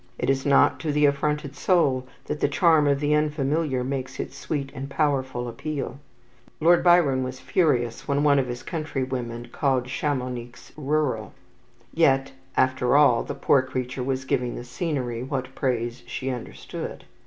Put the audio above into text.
It is not to the affronted soul that the charm of the unfamiliar makes its sweet and powerful appeal. Lord Byron was furious when one of his countrywomen called Chamonix "rural"; yet, after all, the poor creature was giving the scenery what praise she understood.